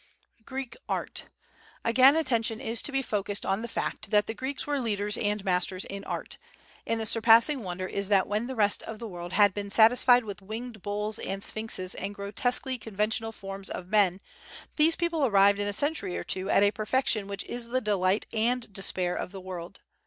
Greek Art. Again attention is to be focused on the fact that the Greeks were leaders and masters in art. And the surpassing wonder is that when the rest of the world had been satisfied with winged bulls and sphinxes and grotesquely conventional forms of men these people arrived in a century or two at a perfection which is the delight and the despair of the world.